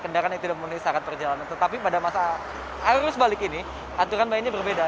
kendaraan yang tidak memenuhi syarat perjalanan tetapi pada masa arus balik ini aturan mainnya berbeda